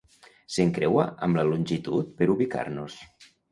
S'encreua amb la longitud per ubicar-nos.